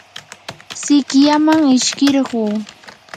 sikyaman ishkirquu.